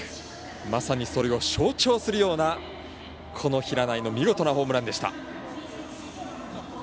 まさにそれを象徴するような平内の見事なホームランでした。